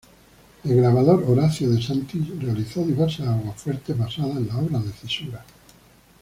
El grabador Orazio de Sanctis realizó diversos aguafuertes basados en obras de Cesura.